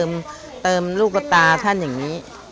เราก็ใส่ลิ้นเติมลูกตาท่านอย่างนี้